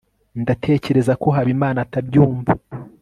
ndatekereza ko habimana atabyumva